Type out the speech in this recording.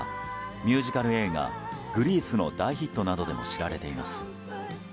ミュージカル映画「グリース」の大ヒットなどでも知られています。